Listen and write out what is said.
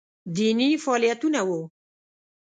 دیني فعالیتونه وو